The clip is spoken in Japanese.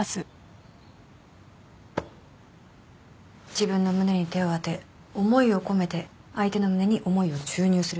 自分の胸に手を当て思いを込めて相手の胸に思いを注入する。